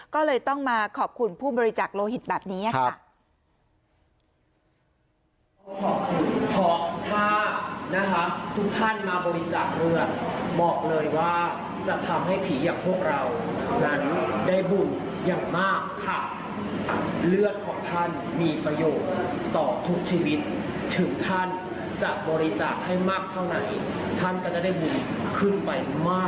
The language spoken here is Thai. ก็เลยต้องมาขอบคุณผู้บริจาคโลหิตแบบนี้ค่ะ